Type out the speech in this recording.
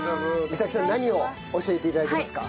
美咲さん何を教えて頂けますか？